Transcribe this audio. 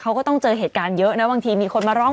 เขาก็ต้องเจอเหตุการณ์เยอะนะ